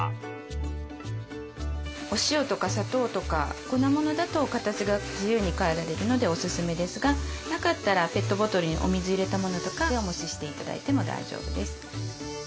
お塩とか砂糖とか粉ものだと形が自由に変えられるのでおすすめですがなかったらペットボトルにお水入れたものとかでおもしして頂いても大丈夫です。